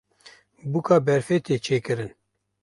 Bûka berfê tê çêkirin.